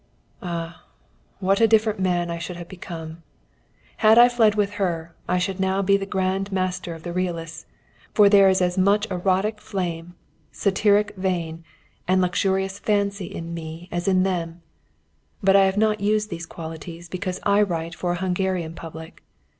Ah! what a different man I should have become. Had I fled with her, I should now be the grand master of the Realists, for there is as much erotic flame, satiric vein, and luxurious fancy in me as in them; but I have not used these qualities, because I write for a Hungarian public.